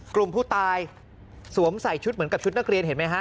กลุ่มผู้ตายสวมใส่ชุดเหมือนกับชุดนักเรียนเห็นไหมฮะ